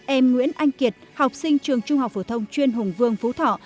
em nguyễn anh kiệt học sinh trường trung học phổ thông chuyên hùng vương phú thọ